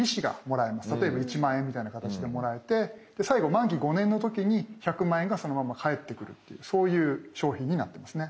例えば１万円みたいな形でもらえて最後満期５年の時に１００万円がそのまま返ってくるっていうそういう商品になってますね。